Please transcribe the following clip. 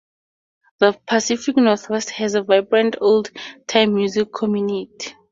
The Pacific Northwest has a vibrant old-time music community.